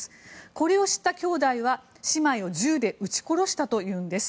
これを知った兄弟は、姉妹を銃で撃ち殺したというんです。